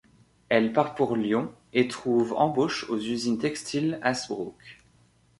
Elle part pour Lyon et trouve embauche aux usines textiles Hassebroucq.